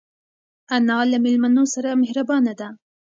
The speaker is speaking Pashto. انا له مېلمنو سره مهربانه ده